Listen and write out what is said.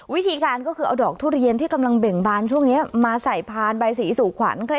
วิธีการก็คือเอาดอกทุเรียนที่กำลังเบ่งบานช่วงนี้มาใส่พานใบสีสู่ขวัญ